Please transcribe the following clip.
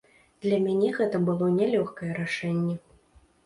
Для мяне гэта было нялёгкае рашэнне.